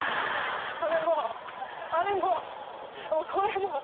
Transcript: それもあれもこれも。